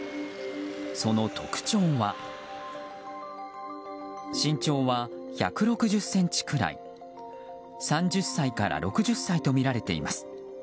その特徴は身長は１６０ｃｍくらい３０歳から６０歳とみられています。